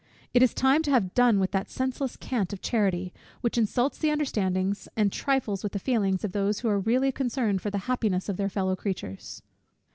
It is time to have done with that senseless cant of charity, which insults the understandings, and trifles with the feelings, of those who are really concerned for the happiness of their fellow creatures.